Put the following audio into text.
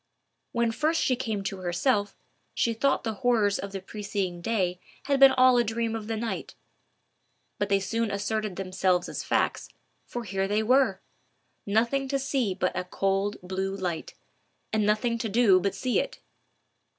When first she came to herself, she thought the horrors of the preceding day had been all a dream of the night. But they soon asserted themselves as facts, for here they were!—nothing to see but a cold blue light, and nothing to do but see it.